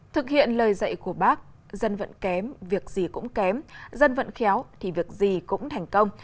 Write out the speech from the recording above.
thực hiện lời dạy của bác dân vẫn kém việc gì cũng kém dân vận khéo thì việc gì cũng thành công